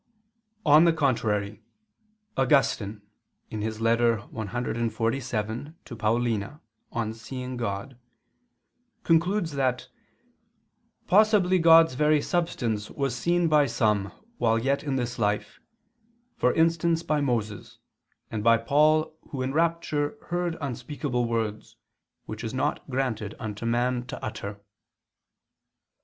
On the contrary, Augustine (Ep. CXLVII, 13; ad Paulin., de videndo Deum) concludes that "possibly God's very substance was seen by some while yet in this life: for instance by Moses, and by Paul who in rapture heard unspeakable words, which it is not granted unto man to utter."